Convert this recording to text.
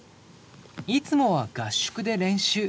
いつもは合宿で練習。